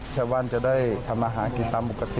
ชาวบ้านจะได้ทำอาหารกินตามปกติ